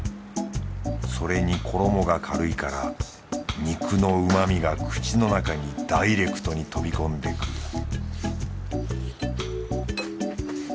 それに衣が軽いから肉の旨みが口の中にダイレクトに飛び込んでくる